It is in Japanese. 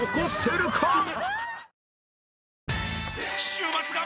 週末が！！